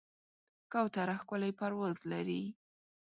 کوتره ښکلی پرواز لري.